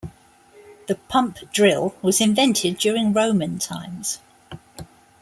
The pump drill was invented during Roman times.